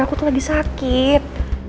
aku tuh lagi sakit